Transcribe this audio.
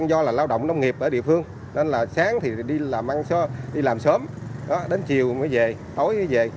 do là lao động nông nghiệp ở địa phương nên là sáng thì đi làm ăn sơ đi làm sớm đến chiều mới về tối mới về